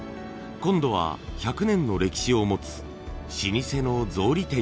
今度は１００年の歴史を持つ老舗の草履店へ。